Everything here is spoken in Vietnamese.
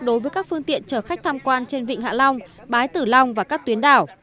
đối với các phương tiện chở khách tham quan trên vịnh hạ long bái tử long và các tuyến đảo